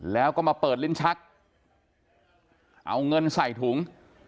แล้วก็มาเปิดลิ้นชักเอาเงินใส่ถุง